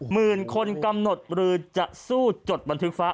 หมื่นคนกำหนดหรือจะสู้จดบันทึกฟ้า